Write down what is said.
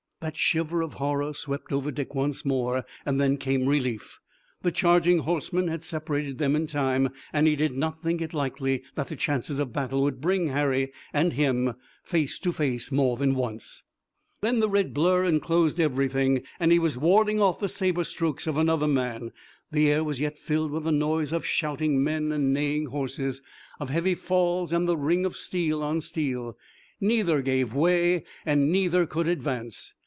That shiver of horror swept over Dick once more, and then came relief. The charging horsemen had separated them in time, and he did not think it likely that the chances of battle would bring Harry and him face to face more than once. Then the red blur enclosed everything and he was warding off the saber strokes of another man. The air was yet filled with the noise of shouting men, and neighing horses, of heavy falls and the ring of steel on steel. Neither gave way and neither could advance.